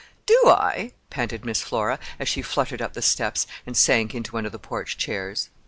"Do I?" panted Miss Flora, as she fluttered up the steps and sank into one of the porch chairs.